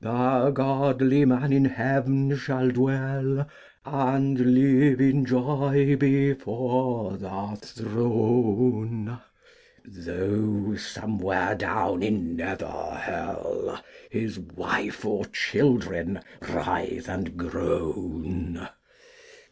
The godly man in heaven shall dwell, And live in joy before the throne, Though somewhere down in nether hell His wife or children writhe and groan.